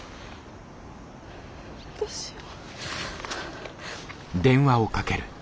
どうしよ。